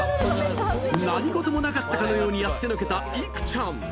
何事もなかったかのようにやってのけた、いくちゃん。